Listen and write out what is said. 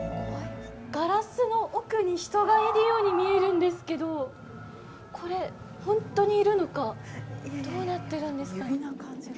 ガラスの奥に人がいるように見えるんですけど、これ、本当にいるのか、どうなっているんですかね。